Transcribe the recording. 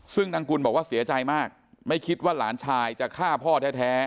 ซึ่งนางกุลบอกว่าเสียใจมากไม่คิดว่าหลานชายจะฆ่าพ่อแท้